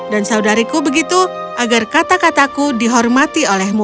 dan saudariku begitu agar kata kataku dihormati olehmu